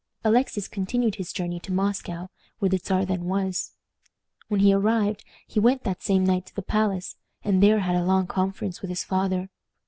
Alexis continued his journey to Moscow, where the Czar then was. When he arrived he went that same night to the palace, and there had a long conference with his father.